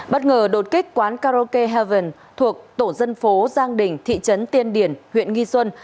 bất ngờ đột kích quán karaoke haven thuộc tổ dân phố giang đình thị trấn tiên điển huyện nghi xuân